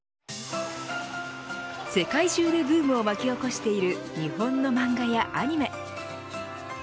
世界中でブームを巻き起こしている日本の漫画やアニメ。